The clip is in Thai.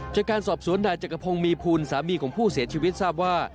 จากการสอบสวนนายจักรพงศ์มีภูลสามีของผู้เสียชีวิตทราบว่า